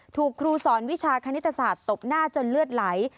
ถูกครูสอนวิชาคณิตศาสตร์ตบหน้าจนเลือดไหล